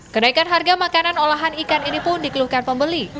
kenaikan harga makanan olahan ikan ini pun dikeluhkan pembeli